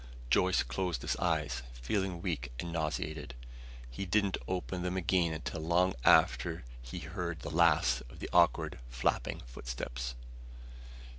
Joyce closed his eyes, feeling weak and nauseated. He didn't open them again till long after he had heard the last of the awkward, flapping footsteps.